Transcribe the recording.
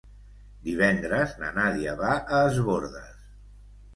Divendres na Nàdia va a Es Bòrdes.